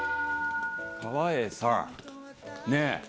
川栄さん！ねぇ！